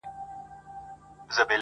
د سیند پر غاړه به زنګیږي ونه-